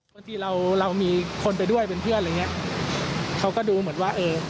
บางทีเราเรามีคนไปด้วยเป็นเพื่อนอะไรอย่างเงี้ยเขาก็ดูเหมือนว่าเออ